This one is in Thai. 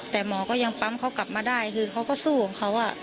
แต่หมอก็ยังปั๊มเขากลับมาได้คือเขาก็สู้ของเขา